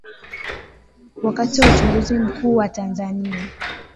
Wakati wa uchaguzi mkuu wa Tanzania